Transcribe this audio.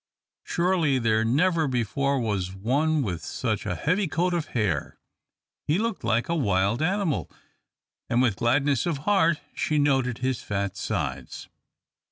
Surely there never before was one with such a heavy coat of hair. He looked like a wild animal, and with gladness of heart she noted his fat sides.